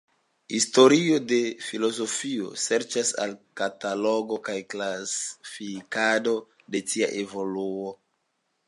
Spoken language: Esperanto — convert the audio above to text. Historio de filozofio serĉas al katalogo kaj klasifikado de tia evoluo.